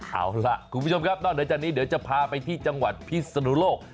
เอาล่ะคุณผู้ชมครับนอกเหนือจากนี้เดี๋ยวจะพาไปที่จังหวัดพิศนุโลก